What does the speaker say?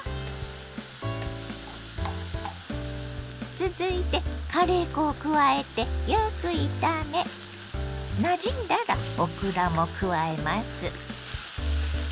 続いてカレー粉を加えてよく炒めなじんだらオクラも加えます。